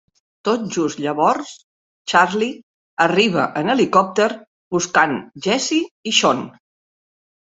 Tot just llavors Charlie arriba en helicòpter buscant Jessie i Sean.